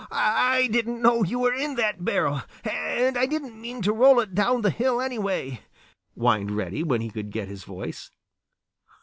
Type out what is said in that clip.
"I didn't know you were in that barrel, and I didn't mean to roll it down the hill anyway," whined Reddy, when he could get his voice.